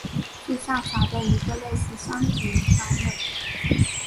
是下辖的一个类似乡级单位。